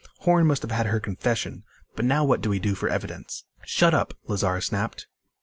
"Horn must have had her confession. But now what do we do for evidence?" "Shut up!" Lazar snapped.